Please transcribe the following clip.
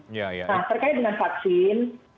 nah terkait dengan vaksin